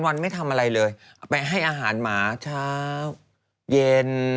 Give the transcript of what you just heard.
วันไม่ทำอะไรเลยไปให้อาหารหมาเช้าเย็น